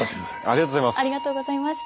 ありがとうございます。